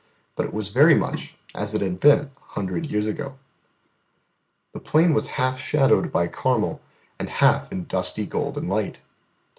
But it was very much as it had been a hundred years ago. The plain was half shadowed by Carmel, and half in dusty golden light.